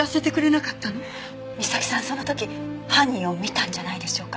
みさきさんその時犯人を見たんじゃないでしょうか。